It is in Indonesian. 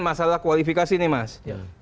masalah kualifikasi ini mas